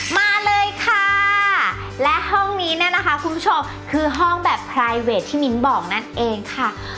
มาเลยค่ะและห้องนี้เนี่ยนะคะคุณผู้ชมคือห้องแบบไพรเวทที่มิ้นบอกนั่นเองค่ะ